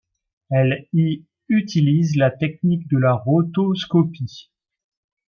Elle y utilise la technique de la rotoscopie.